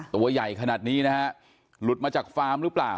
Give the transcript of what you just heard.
ตัวใหญ่ขนาดนี้นะฮะหลุดมาจากฟาร์มหรือเปล่า